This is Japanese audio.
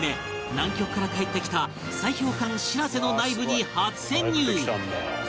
南極から帰ってきた砕氷艦「しらせ」の内部に初潜入！